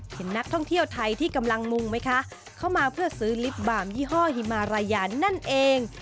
เห็นนักท่องเที่ยวไทยที่กำลังมุงไหมคะเข้ามาเพื่อซื้อลิฟต์บามยี่ห้อฮิมารายานั่นเอง